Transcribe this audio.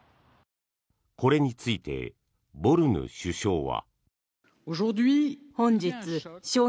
これについてボルヌ首相は。